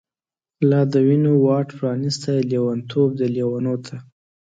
لا د وینو واټ پرانیستۍ، لیونتوب دی لیونوته